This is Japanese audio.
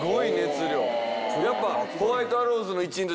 やっぱ。